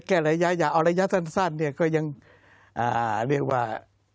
แก้ระยะยาวเอาระยะสั้นก็ยังเรียกว่า